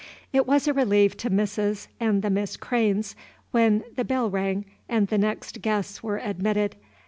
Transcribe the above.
It was a relief to Mrs. and the Miss Cranes when the bell rang and the next guests were admitted.